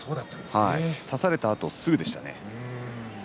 差されたあと、すぐでした。